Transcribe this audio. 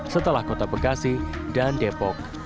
setelah kota bekasi dan depok